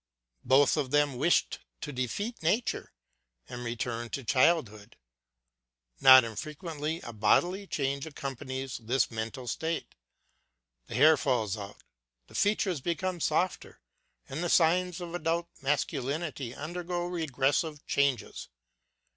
Both of them wished to defeat nature and return to child hood. Not infrequently a bodily change accompanies this mental state. The hair falls out, the features become softer, and the signs of adult masculinity undergo regressive changes.